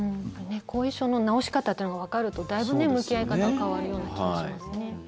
後遺症の治し方というのがわかるとだいぶ向き合い方は変わるような気がしますね。